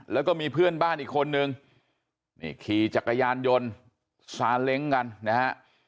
แล้วก็มีเพื่อนบ้านอีกคนนึงนี่ขี่จักรยานยนต์ซาเล้งกันนะฮะ